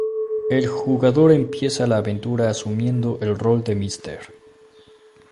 El jugador empieza la aventura asumiendo el rol de Mr.